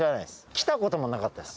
来たこともなかったです。